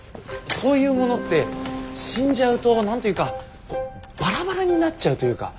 そういうものって死んじゃうと何て言うかバラバラになっちゃうというか。